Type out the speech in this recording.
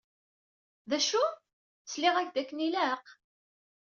D acu? Sliɣ-ak-d akken ilaq?